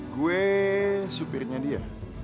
gue supirnya dia